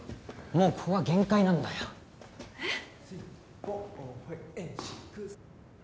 もうここが限界なんだよえっ？